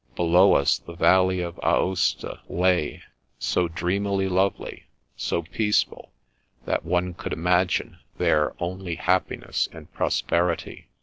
Below us the valley of Aosta lay, so dreamily lovely, so peaceful, that one could imagine there only happiness and prosperity.